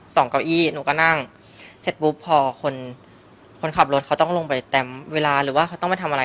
เก้าอี้หนูก็นั่งเสร็จปุ๊บพอคนคนขับรถเขาต้องลงไปเต็มเวลาหรือว่าเขาต้องไปทำอะไร